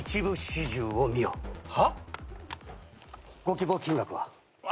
ご希望金額は？